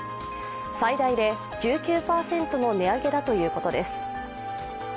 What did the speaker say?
最大で１９％の値上げだということです。